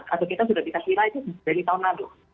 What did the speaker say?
atau kita sudah bisa viral itu dari tahun lalu